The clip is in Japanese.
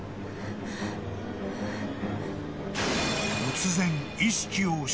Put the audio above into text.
［突然］